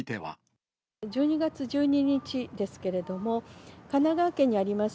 １２月１２日ですけれども、神奈川県にあります